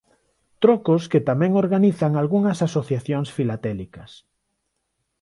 Trocos que tamén organizan algunhas asociacións filatélicas.